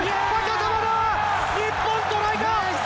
日本トライだ。